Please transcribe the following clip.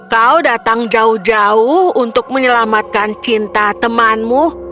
kau datang jauh jauh untuk menyelamatkan cinta temanmu